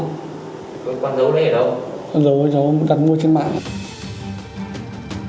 đồng dấu đó đặt mua trên mạng